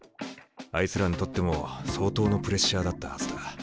あいつらにとっても相当のプレッシャーだったはずだ。